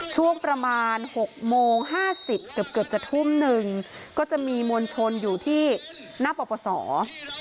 ช่วงประมาณ๖โมง๕๐เกือบเกือบจะทุ่มหนึ่งก็จะมีมวลชนอยู่ที่หน้าปปศ